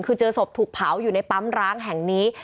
คือเจอศพถูกเผาอยู่ในปั๊มร้างแห่งนี้